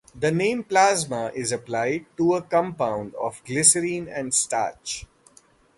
The name plasma is applied to a compound of glycerin and starch.